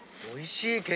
おいしい！